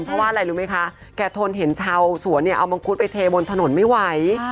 เพราะว่าอะไรรู้ไหมคะแกทนเห็นชาวสวนเนี่ยเอามังคุดไปเทบนถนนไม่ไหว